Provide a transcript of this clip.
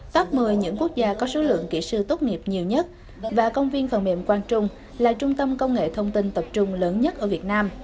top một mươi những quốc gia có số lượng kỹ sư tốt nghiệp nhiều nhất và công viên phần mềm quang trung là trung tâm công nghệ thông tin tập trung lớn nhất ở việt nam